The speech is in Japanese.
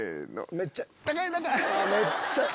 めっちゃ。